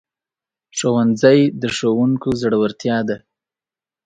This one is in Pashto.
ښوونځی د ښوونکو زړورتیا ده